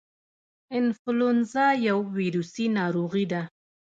انفلونزا یو ویروسي ناروغي ده